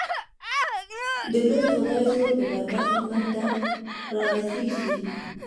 د لوی خدای زور د بنده خدمت ته را رسېږي.